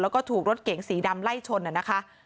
แล้วก็ถูกรถเก๋งสีดำไล่ชนนะคะ